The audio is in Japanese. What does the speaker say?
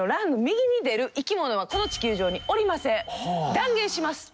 断言します！